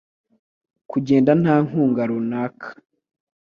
kugenda nta nkunga runaka